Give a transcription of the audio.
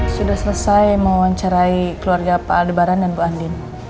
sudah selesai mewawancarai keluarga pak aldebaran dan bu andin